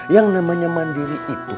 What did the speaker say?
yang namanya mandiri itu